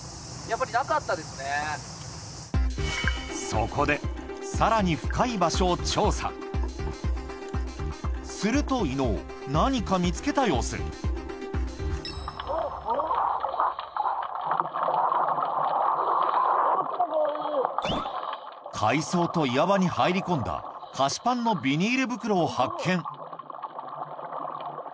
そこでさらに深い場所を調査すると伊野尾何か見つけた様子海藻と岩場に入り込んだ菓子パンのビニール袋を発見